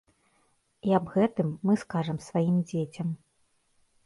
І аб гэтым мы скажам сваім дзецям.